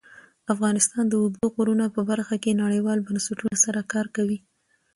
افغانستان د اوږده غرونه په برخه کې نړیوالو بنسټونو سره کار کوي.